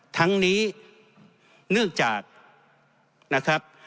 ทั้งนี้นึกจากนะครับ